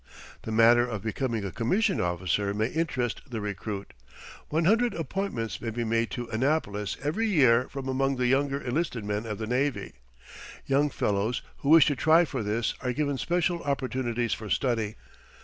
The matter of becoming a commissioned officer may interest the recruit. One hundred appointments may be made to Annapolis every year from among the younger enlisted men of the navy. Young fellows who wish to try for this are given special opportunities for study.